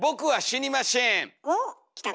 おっきたか？